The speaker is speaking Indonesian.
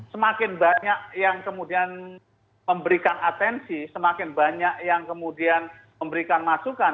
semakin banyak yang kemudian memberikan atensi semakin banyak yang kemudian memberikan masukan